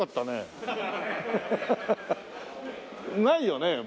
ないよね？